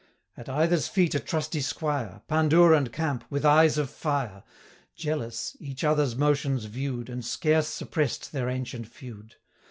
At either's feet a trusty squire, Pandour and Camp, with eyes of fire, Jealous, each other's motions view'd, 175 And scarce suppress'd their ancient feud.